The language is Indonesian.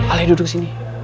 ale duduk sini